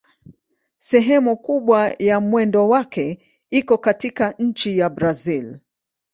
Sehemu kubwa ya mwendo wake iko katika nchi ya Brazil.